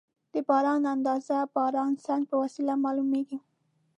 د باران اندازه د بارانسنج په وسیله معلومېږي.